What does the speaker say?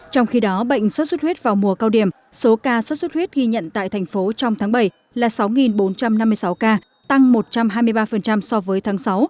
trong khi đó bệnh xuất xuất huyết vào mùa cao điểm số ca xuất xuất huyết ghi nhận tại thành phố trong tháng bảy là sáu bốn trăm năm mươi sáu ca tăng một trăm hai mươi ba so với tháng sáu